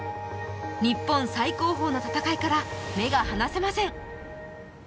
日本最高峰の戦いから目が離せません。